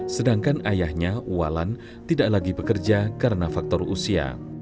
sedangkan ayahnya walan tidak lagi bekerja karena faktor usia